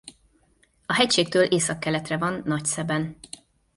A hegységtől északkeletre van Nagyszeben.